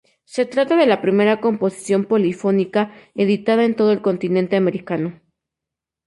Se trata de la primera composición polifónica editada en todo el continente americano.